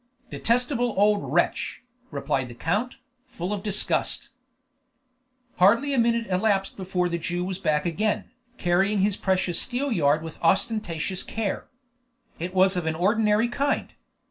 "Detestable old wretch!" replied the count, full of disgust. Hardly a minute elapsed before the Jew was back again, carrying his precious steelyard with ostentatious care. It was of an ordinary kind.